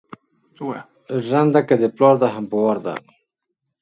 جرنده که دا پلار ده هم په وار ده